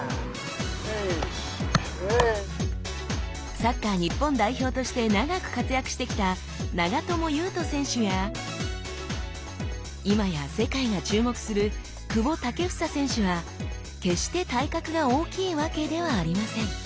サッカー日本代表として長く活躍してきた長友佑都選手や今や世界が注目する久保建英選手は決して体格が大きいわけではありません。